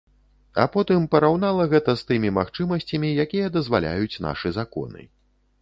А потым параўнала гэта з тымі магчымасцямі, якія дазваляюць нашы законы.